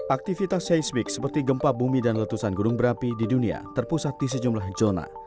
aktivitas seismik seperti gempa bumi dan letusan gunung berapi di dunia terpusat di sejumlah zona